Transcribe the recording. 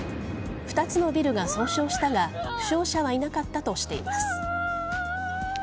２つのビルが損傷したが負傷者はいなかったとしています。